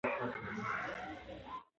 اسراف مه کوئ.